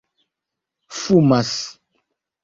fumas